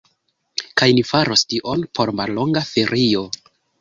Kaj ni faros tion por mallonga ferio.